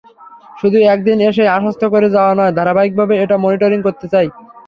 শুধু একদিন এসেই আশ্বস্ত করে যাওয়া নয়, ধারাবাহিকভাবে এটা মনিটরিং করতে চাই।